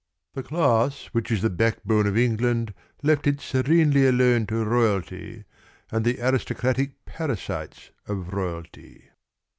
The class which is the back bone of England left it serenely alone to royalty and the aristocratic parasites of royalty.